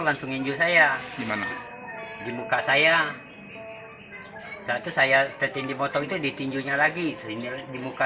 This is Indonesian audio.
langsung minju saya gimana dibuka saya satu saya tertindih motor itu ditinjunya lagi rindu dimuka